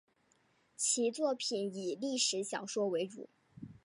其作品以历史小说为主。